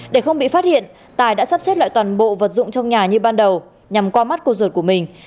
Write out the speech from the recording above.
để không bị phát hiện tài đã sắp xếp lại toàn bộ vật dụng trong nhà như ban đầu nhằm qua mắt cô ruột của mình